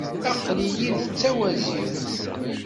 Aql-iyi d tawaziwt.